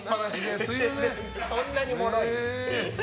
そんなにもろい？